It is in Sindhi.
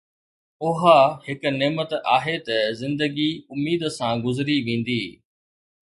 اها هڪ نعمت آهي ته زندگي اميد سان گذري ويندي